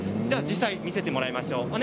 実際に見せてもらいましょう。